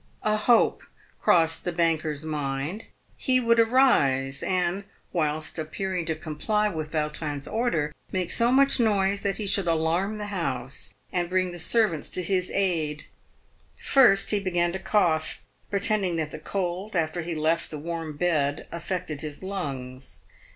A hope crossed the banker's mind. He would arise, and, whilst appearing to comply with Yautrin' s order, make so much noise that he should alarm the house, and bring the servants to his aid. First, he began to cough, pretending that the cold, after he left the warm bed, affected his lungs.